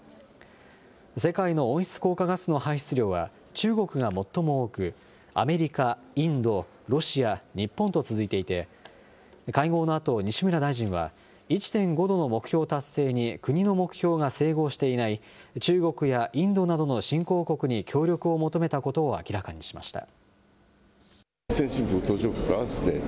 世界の温室効果ガスの排出量は中国が最も多く、アメリカ、インド、ロシア、日本と続いていて、会合のあと、西村大臣は、１．５度の目標達成に国の目標が整合していない中国やインドなどの新興国に協力を求めたことを明らかにしました。